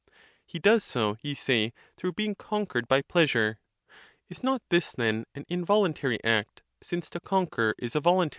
He (does so) ye say, through being conquered by pleasure. Is not this then an involuntary act, since to conquer is a voluntary one?